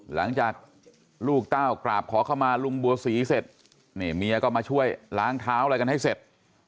หลังจากลูกเต้ากราบขอเข้ามาลุงบัวศรีเสร็จนี่เมียก็มาช่วยล้างเท้าอะไรกันให้เสร็จ